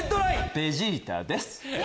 ベジータです。